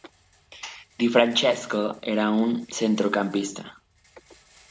Di Francesco era un centrocampista.